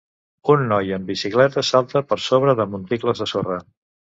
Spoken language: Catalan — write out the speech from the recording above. Un noi en bicicleta salta per sobre de monticles de sorra.